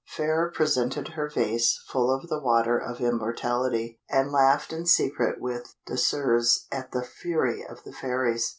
Fairer presented her vase full of the water of immortality, and laughed in secret with Désirs at the fury of the fairies.